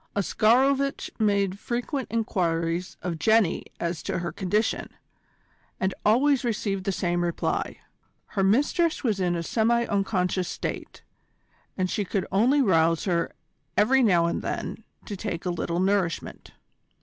Oscarovitch made frequent enquiries of Jenny as to her condition, and always received the same reply. Her mistress was in a semi unconscious state, and she could only rouse her every now and then to take a little nourishment.